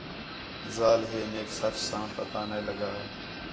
ذال ہے میک سچ ساں پتہ نَے لڳا